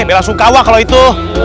bela sungkawa kalau itu